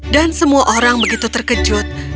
dan semua orang begitu terkejut